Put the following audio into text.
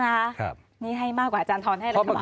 ๖๕นะครับนี่ให้มากกว่าอาจารย์ทอนให้ละครับ